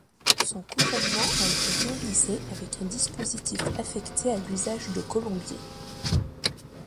Son couronnement a été réalisé avec un dispositif affecté à l'usage de colombier.